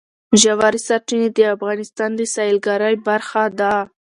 ژورې سرچینې د افغانستان د سیلګرۍ برخه ده.